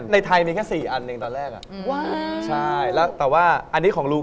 มันถ่ายถึงเงินนะมันถ่ายถึงเงิน